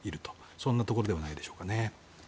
そんなところではないでしょうか。